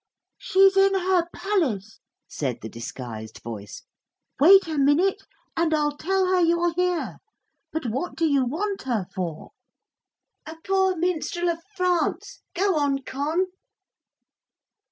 'She's in her palace,' said the disguised voice, 'wait a minute, and I'll tell her you're here. But what do you want her for? ("A poor minstrel of France") go on, Con.'